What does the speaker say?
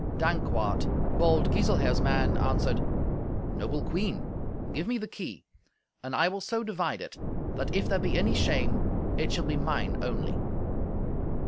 Dankwart, bold Giselher's man, answered, "Noble Queen, give me the key, and I will so divide it that, if there be any shame, it shall be mine only."